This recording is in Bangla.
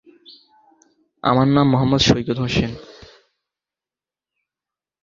আয়তনের দিক থেকে এটি অস্ট্রিয়ার চতুর্থ বৃহত্তম এবং জনসংখ্যা দিক থেকে তৃতীয়।